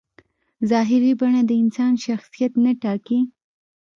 ظاهري بڼه د انسان شخصیت نه ټاکي.